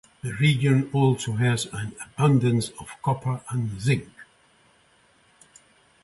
The region also has an abundance of copper and zinc.